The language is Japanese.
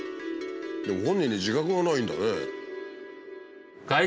でも本人に自覚がないんだね。